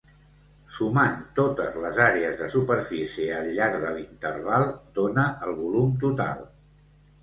Sumant totes les àrees de superfície al llarg de l'interval dóna el volum total.